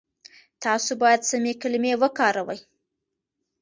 تاسو بايد سمې کلمې وکاروئ.